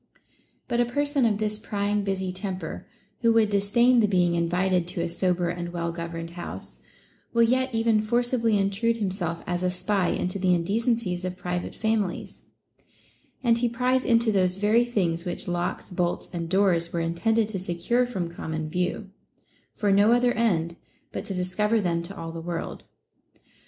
But a person of this prying busy temper, who would disdain the being invited to a sober and well governed house, will yet even forcibly intrude himself as a spy into the indecencies of private families ; and he pries into those very things which locks, bolts, and doors were intended to secure from common view, for no other end but to discover them to all the world.